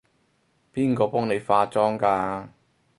邊個幫你化妝㗎？